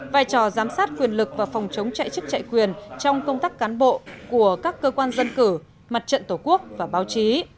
vai trò giám sát quyền lực và phòng chống chạy chức chạy quyền trong công tác cán bộ của các cơ quan dân cử mặt trận tổ quốc và báo chí